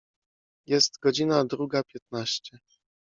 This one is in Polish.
Jest godzina druga piętnaście.